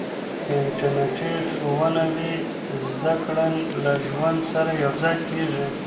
که انټرنېټي ښوونه وي، زده کړه له ژوند سره یوځای کېږي.